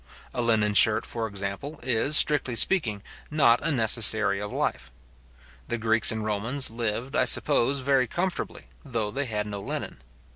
A linen shirt, for example, is, strictly speaking, not a necessary of life. The Greeks and Romans lived, I suppose, very comfortably, though they had no linen.